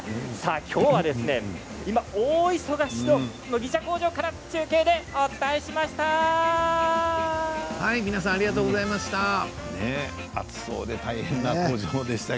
きょうは今、大忙しの麦茶工場から中継でお伝えしました。